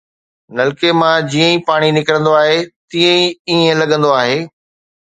نلڪي مان جيئن ئي پاڻي نڪرندو آهي، تيئن ئي ائين لڳندو آهي